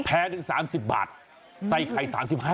แพงถึง๓๐บาทไส้ไข่๓๕